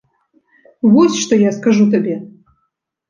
Вось што я скажу табе.